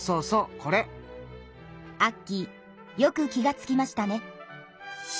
アッキーよく気がつきましたね。